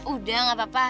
udah nggak apa apa